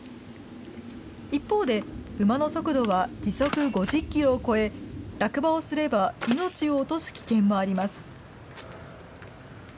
一方で、馬の速度は時速５０キロを超え、落馬をすれば命を落とす危険もあります。